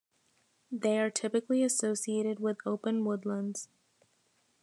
They are typically associated with open woodlands.